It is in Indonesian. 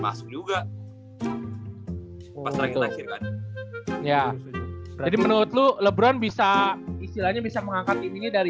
masuk juga pas lagi lahir kan ya jadi menurut lu lebron bisa istilahnya bisa mengangkat ininya dari